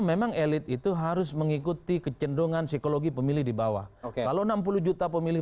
memang elit itu harus mengikuti kecenderungan psikologi pemilih di bawah kalau enam puluh juta pemilih